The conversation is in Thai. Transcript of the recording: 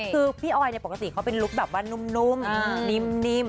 คือพี่ออยเป็นลุคแบบนุ่มหนิม